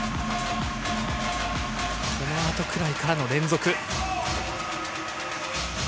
この後くらいからの連続。